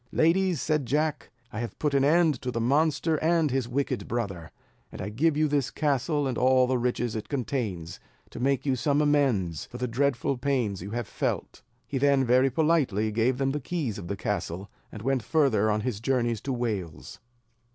"Ladies," said Jack, "I have put an end to the monster and his wicked brother; and I give you this castle and all the riches it contains, to make you some amends for the dreadful pains you have felt." He then very politely gave them the keys of the castle, and went further on his journey to Wales.